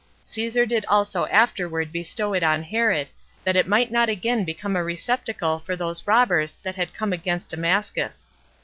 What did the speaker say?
Caesar did also afterward bestow it on Herod, that it might not again become a receptacle for those robbers that had come against Damascus.